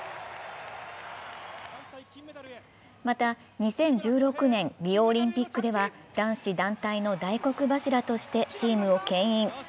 また、２０１６年リオオリンピックでは男子団体の大黒柱としてチームをけん引。